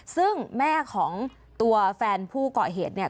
ซึ่งแม่ของตัวแฟนผู้เกาะเหตุเนี่ย